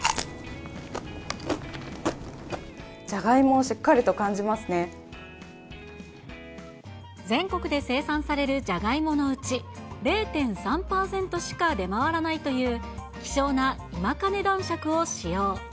じゃがいもをしっかりと感じ全国で生産されるじゃがいものうち、０．３％しか出回らないという希少な今金男しゃくを使用。